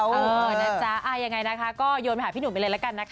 เออนะจ๊ะยังไงนะคะก็โยนไปหาพี่หนุ่มไปเลยละกันนะคะ